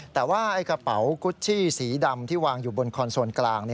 แต่ว่ากระเป๋ากุชชี่สีดำที่วางอยู่บนคอนโซนกลาง